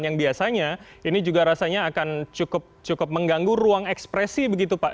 yang biasanya ini juga rasanya akan cukup mengganggu ruang ekspresi begitu pak